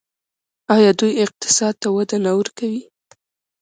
آیا دوی اقتصاد ته وده نه ورکوي؟